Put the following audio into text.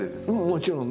もちろん。